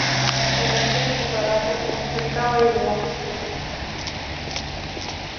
په رنګینو فقراتو کې انشا شوی وو.